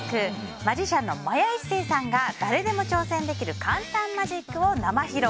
マジシャンの魔耶一星さんが誰でも挑戦できる簡単マジックを生披露！